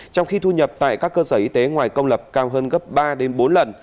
trong khi thu nhập tại các cơ sở y tế ngoài công lập cao hơn gấp ba đến bốn lần